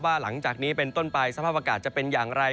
หลังจากนี้เป็นต้นไปสภาพอากาศจะเป็นอย่างไร